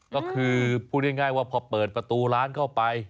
ก็คือพูดง่ายว่าพอเปิดประตูร้านเข้าไป